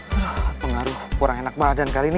nah pengaruh kurang enak badan kali ini